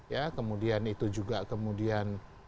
ya kemudian itu juga kemudian